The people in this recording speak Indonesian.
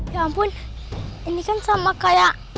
ya ampun ini kan sama kayak